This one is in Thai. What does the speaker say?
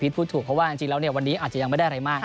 พูดถูกเพราะว่าจริงแล้ววันนี้อาจจะยังไม่ได้อะไรมาก